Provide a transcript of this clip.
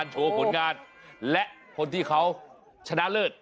โชว์ผลงานและคนที่เขาชนะเลิศ